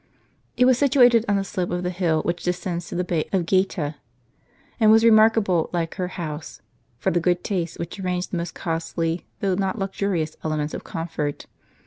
It was situated on the slojDe of the hill which descends to the bay of Gaeta, and was remarkable, like her house, for the good taste which arranged the most costly, though not luxurious, elements of comfort.